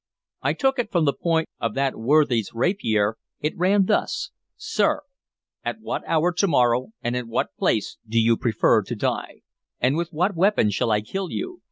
I took it from the point of that worthy's rapier. It ran thus: "SIR, At what hour to morrow and at what place do you prefer to die? And with what weapon shall I kill you?"